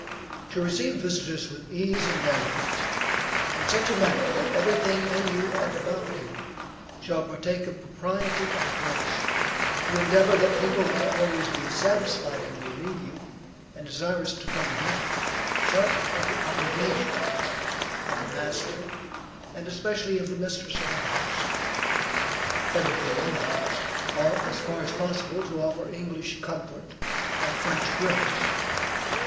_ To receive visitors with ease and elegance, and in such a manner that everything in you, and about you, shall partake of propriety and grace, to endeavor that people may always be satisfied when they leave you, and desirous to come again, such are the obligations of the master, and especially of the mistress of a house. Everything in the house, ought, as far as possible, to offer English comfort, and French grace.